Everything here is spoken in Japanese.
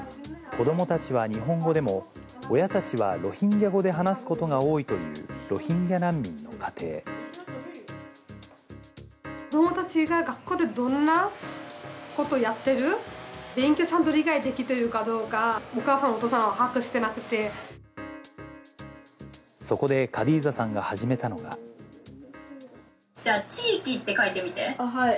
子どもたちは日本語でも、親たちはロヒンギャ語で話すことが多いというロヒンギャ難民の家子どもたちが学校でどんなことやってる、勉強ちゃんと理解できてるかどうか、お母さん、お父さんは把握しそこでカディザさんが始めたじゃあ、はい。